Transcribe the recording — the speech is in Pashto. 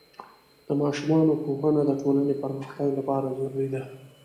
د ماشومانو ښوونه د ټولنې پرمختګ لپاره ضروري ده.